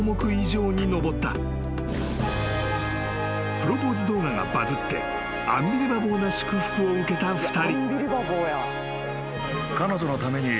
［プロポーズ動画がバズってアンビリバボーな祝福を受けた２人］